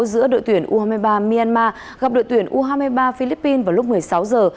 giữa đội tuyển u hai mươi ba myanmar gặp đội tuyển u hai mươi ba philippines vào lúc một mươi sáu giờ